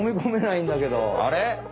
あれ？